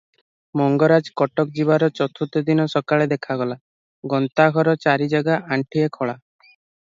ମଙ୍ଗରାଜ କଟକ ଯିବାର ଚତୁର୍ଥ ଦିନ ସକାଳେ ଦେଖାଗଲା, ଗନ୍ତାଘର ଚାରିଜାଗା ଆଣ୍ଠିଏ ଖୋଳା ।